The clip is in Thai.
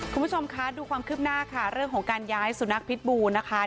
คุณผู้ชมคะดูความคืบหน้าค่ะเรื่องของการย้ายสุนัขพิษบูนะคะ